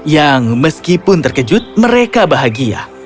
yang meskipun terkejut mereka bahagia